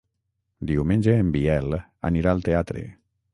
Diumenge en Biel anirà al teatre.